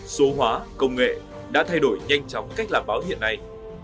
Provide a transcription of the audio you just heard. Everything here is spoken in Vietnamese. số hóa công nghệ đã thay đổi nhanh chóng cách làm báo hiện nay